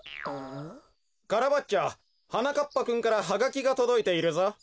カラバッチョはなかっぱくんからハガキがとどいているぞ。